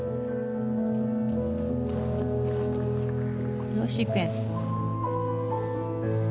コレオシークエンス。